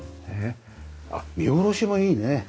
あっ見下ろしもいいね。